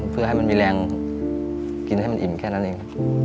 เพื่อให้มันมีแรงกินให้มันอิ่มแค่นั้นเอง